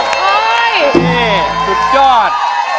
เฮ้ยสุดยอด